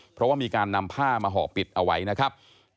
เพราะว่ามีการนำผ้ามาห่อปิดเอาไว้นะครับ